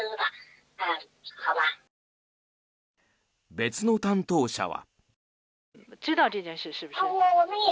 別の担当者は。